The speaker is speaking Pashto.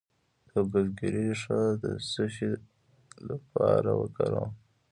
د ګزګیرې ریښه د څه لپاره وکاروم؟